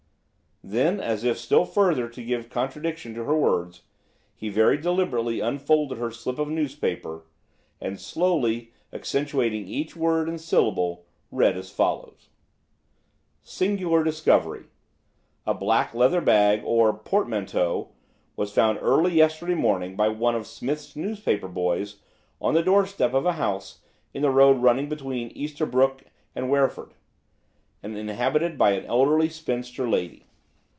Then, as if still further to give contradiction to her words, he very deliberately unfolded her slip of newspaper and slowly, accentuating each word and syllable, read as follows:– "Singular Discovery. "A black leather bag, or portmanteau, was found early yesterday morning by one of Smith's newspaper boys on the doorstep of a house in the road running between Easterbrook and Wreford, and inhabited by an elderly spinster lady.